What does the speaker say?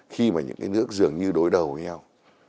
khi mà những cái nước dường như đối đầu với nhau